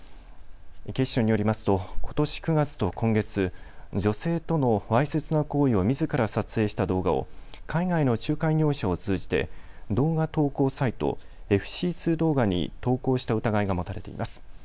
警視庁によりますとことし９月と今月、女性とのわいせつな行為をみずから撮影した動画を海外の仲介業者を通じて動画投稿サイト、ＦＣ２動画に投稿した疑いが持たれています。